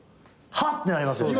「ハッ！」ってなりますよね。